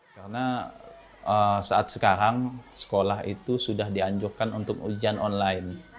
karena saat sekarang sekolah itu sudah dianjurkan untuk ujian online